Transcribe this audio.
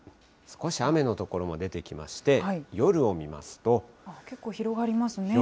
少し雨の所も出てきまして、夜を結構広がりますね。